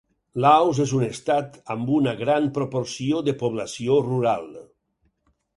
Laos és un estat amb una gran proporció de població rural.